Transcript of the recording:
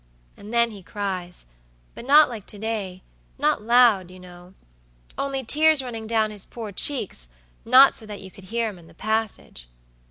and then he cries, but not like to daynot loud, you know; only tears running down his poor cheeks, not so that you could hear him in the passage."